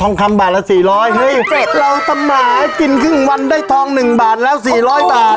๗ทองคำบาทละ๔๐๐บาทเฮ้ยเราสมาหากินครึ่งวันได้ทอง๑บาทแล้ว๔๐๐บาท